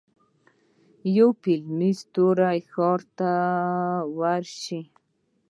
یو فلمي ستوری ښار ته ورشي.